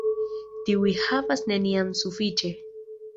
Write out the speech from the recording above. Tiuj havas neniam sufiĉe.